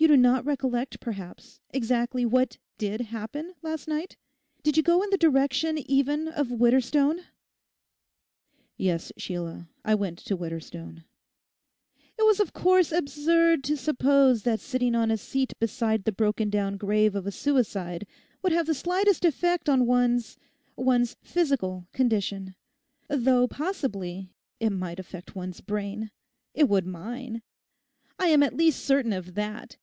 You do not recollect, perhaps, exactly what did happen last night? Did you go in the direction even of Widderstone?' 'Yes, Sheila, I went to Widderstone.' 'It was of course absurd to suppose that sitting on a seat beside the broken down grave of a suicide would have the slightest effect on one's—one's physical condition; though possibly it might affect one's brain. It would mine; I am at least certain of that.